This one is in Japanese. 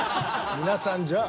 「皆さんじゃあ」。